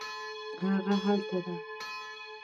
هغه هلته ده